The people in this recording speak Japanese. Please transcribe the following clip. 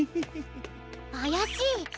あやしい！